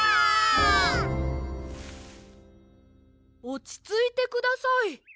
おちついてください。